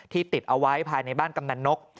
ติดเอาไว้ภายในบ้านกำนันนก